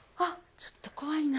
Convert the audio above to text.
ちょっと怖いな。